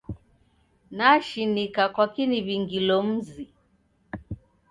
Nashinika kwaki niw'ingilo mzi.